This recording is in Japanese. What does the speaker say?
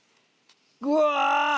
うわ！